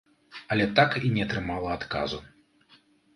Але так і не атрымала адказу!